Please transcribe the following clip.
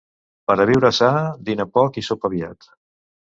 Per a viure sa, dina poc i sopa aviat.